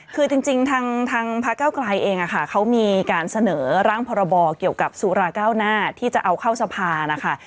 คือจริงทางพระเก้าไกลเองเขามีการเสนอร่างพรบเกี่ยวกับสุราเก้าหน้าที่จะเอาเข้าสภานะคะ